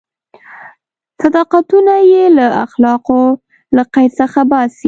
صداقتونه یې له اخلاقو له قید څخه باسي.